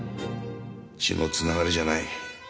血の繋がりじゃない。